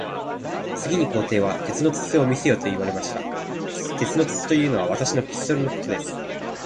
次に皇帝は、鉄の筒を見せよと言われました。鉄の筒というのは、私のピストルのことです。